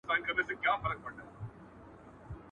• په لک ئې نه نيسي، په کک ئې ونيسي.